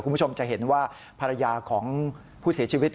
คุณผู้ชมจะเห็นว่าภรรยาของผู้เสียชีวิต